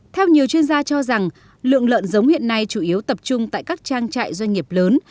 theo nhiều chuyên gia cho rằng lượng lợn giống hiện nay chủ yếu tập trung tại các trang trại doanh nghiệp lớn